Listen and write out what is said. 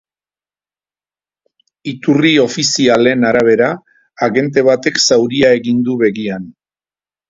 Iturri ofizialen arabera, agente batek zauria egin du begian.